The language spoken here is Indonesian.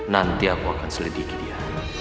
nanti aku akan selidiki dia